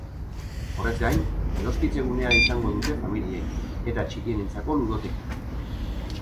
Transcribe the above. Horrez gain, edoskitze gunea izango dute familiek, eta txikienentzako ludoteka.